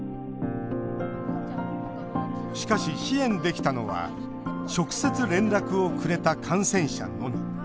しかし支援できたのは直接、連絡をくれた感染者のみ。